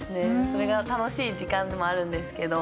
それが楽しい時間でもあるんですけど。